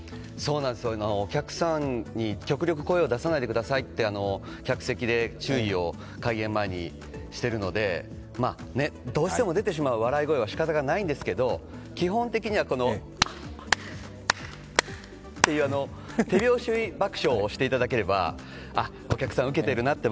お客さんに極力声を出さないでくださいって客席で注意を開演前にしているのでどうしても出てしまう笑い声は仕方ないんですけれども、基本的にはこういう、手拍子爆笑をやっていただければ、お客さんウケているなって